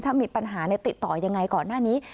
ถ้ามีปัญหาติดต่อยังไงก่อนหน้านี้